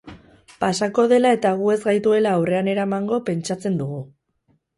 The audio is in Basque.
Pasako dela eta gu ez gaituela aurrean eramango pentsatzen dugu.